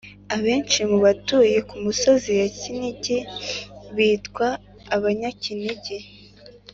Abenshi mu batuye ku misozi ya Kinigi bitwa Abanyakinigi.